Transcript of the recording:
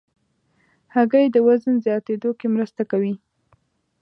هګۍ د وزن زیاتېدو کې مرسته کوي.